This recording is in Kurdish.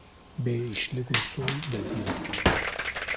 bê îşlig û sol beziyam